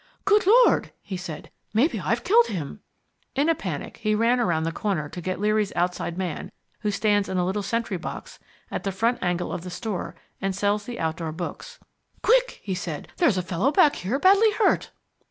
"Good Lord," he said. "Maybe I've killed him!" In a panic he ran round the corner to get Leary's outside man, who stands in a little sentry box at the front angle of the store and sells the outdoor books. "Quick," he said. "There's a fellow back here badly hurt."